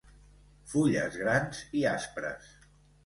Fulles grans i aspres.